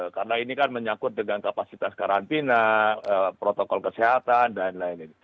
karena ini kan menyangkut dengan kapasitas karantina protokol kesehatan dan lain lain